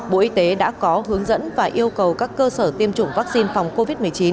bộ y tế đã có hướng dẫn và yêu cầu các cơ sở tiêm chủng vaccine phòng covid một mươi chín